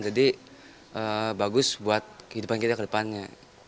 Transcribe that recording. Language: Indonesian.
jadi bagus buat kehidupan kita ke depannya